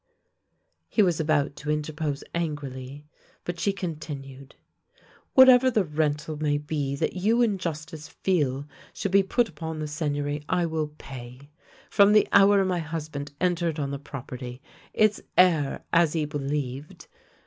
He was about to interpose angrily, but she con tinued: " Whatever the rental may be that you in jus^ tice feel should be put upon the Seigneury I will pay — from the hour my husband entered on the property, its heir, as he believed.